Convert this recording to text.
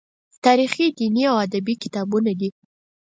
تاریخي، دیني او ادبي کتابونه دي.